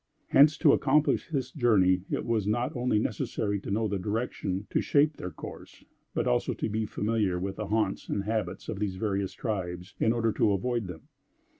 Hence, to accomplish this journey, it was not only necessary to know the direction to shape their course, but also to be familiar with the haunts and habits of these various tribes, in order to avoid them.